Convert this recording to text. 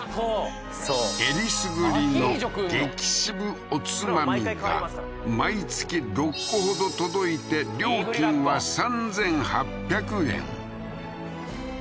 そうえりすぐりの激渋おつまみが毎月６個ほど届いて料金は３，８００円